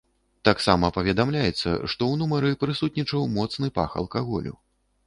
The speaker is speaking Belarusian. Таксама паведамляецца, што ў нумары прысутнічаў моцны пах алкаголю.